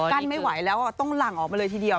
ไม่ไหวแล้วต้องหลั่งออกมาเลยทีเดียว